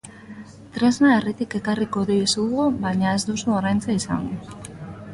Tresna herritik ekarriko dizugu, baina ez duzu oraintxe izango.